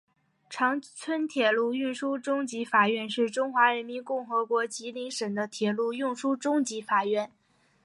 长春铁路运输中级法院是中华人民共和国吉林省的铁路运输中级法院。